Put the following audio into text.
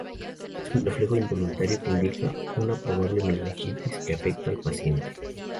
Es un reflejo involuntario que indica una probable meningitis que afecta al paciente.